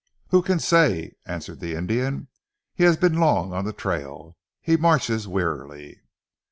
"Who can say?" answered the Indian. "He has been long on the trail. He marches wearily."